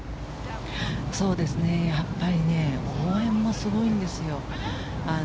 やっぱり応援もすごいんですよ。